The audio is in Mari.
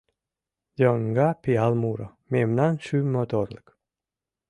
Йоҥга пиал муро — мемнан шӱм моторлык.